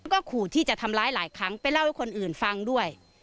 ก็ขู่ที่จะทำร้ายหลายครั้งไปเล่าให้คนอื่นฟังด้วย